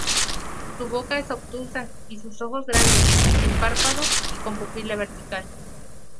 Su boca es obtusa, y sus ojos grandes, sin párpados y con pupila vertical.